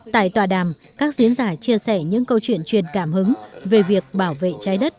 tại tòa đàm các diễn giả chia sẻ những câu chuyện truyền cảm hứng về việc bảo vệ trái đất